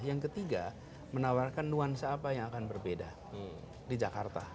yang ketiga menawarkan nuansa apa yang akan berbeda di jakarta